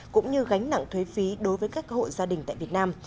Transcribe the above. cũng như gánh nặng thuế phí đối với các hộ gia đình tại việt nam